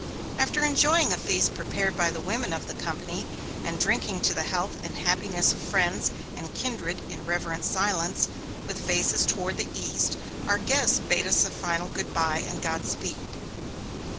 After enjoying a feast prepared by the women of the company, and drinking to the health and happiness of friends and kindred in reverent silence, with faces toward the east, our guests bade us a final good bye and godspeed.